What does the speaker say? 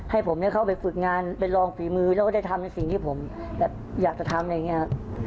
ให้ผมเข้าไปฝึกงานเป็นรองฝีมือแล้วก็ได้ทำในสิ่งที่ผมอยากจะทำอะไรอย่างนี้